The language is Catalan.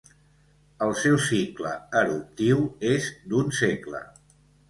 El seu cicle eruptiu és d'un segle.